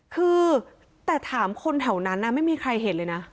คือแต่ถามคนแถวนั้นไม่มีใครเห็นเลยนะ